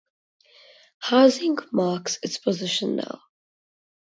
Housing marks its position now.